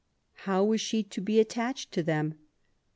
How was she to be attached to them